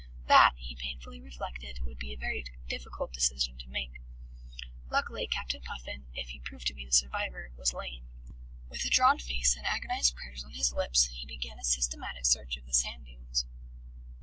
That, he painfully reflected, would be a very difficult decision to make. Luckily, Captain Puffin (if he proved to be the survivor) was lame. ... With drawn face and agonized prayers on his lips, he began a systematic search of the sand dunes.